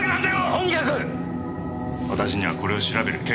とにかく私にはこれを調べる権限があります。